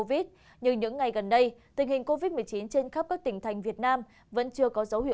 việt nam cần làm gì trong tình hình dịch mới